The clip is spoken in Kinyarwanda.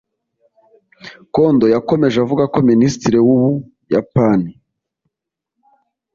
Kondo yakomeje avuga ko Minisitiri w’u Buyapani